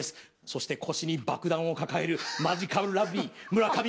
そして腰に爆弾を抱えるマヂカルラブリー村上